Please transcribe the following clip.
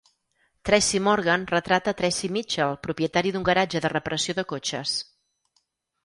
Tracy Morgan retrata a "Tracy Mitchell", propietari d'un garatge de reparació de cotxes.